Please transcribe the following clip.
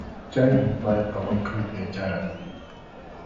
Chaymi payqa waykʼuyta yacharqan.